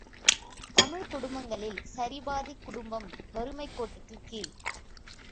தமிழ்க் குடும்பங்களில் சரிபாதிக் குடும்பம் வறுமைக் கோட்டுக்கு கீழ்!